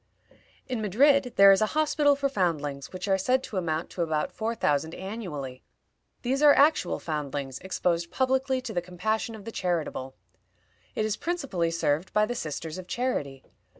In Madrid there is a hospital for foundlings, which are said to amount to about four thousand annually. These are actual foundlings, exposed publicly to the compassion of the charitable. It is principally served by the Sisters of Charity.